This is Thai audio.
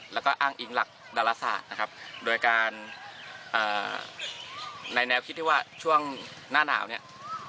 แล้วก็อ้างอิงหลักดาราศาสตร์นะครับโดยการในแนวคิดที่ว่าช่วงหน้าหนาวเนี่ย